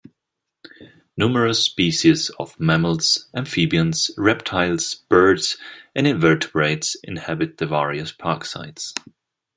Numerous species of mammals, amphibians, reptiles, birds and invertebrates inhabit the various park sites.